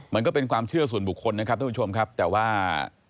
มันก็เป็นความเชื่อส่วนบุคคลนะครับท่านผู้ชมครับแต่ว่า